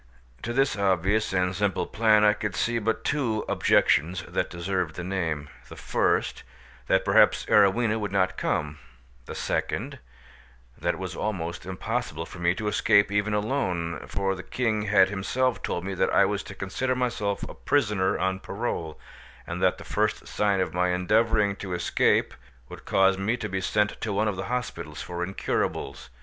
To this obvious and simple plan I could see but two objections that deserved the name,—the first, that perhaps Arowhena would not come; the second, that it was almost impossible for me to escape even alone, for the king had himself told me that I was to consider myself a prisoner on parole, and that the first sign of my endeavouring to escape would cause me to be sent to one of the hospitals for incurables.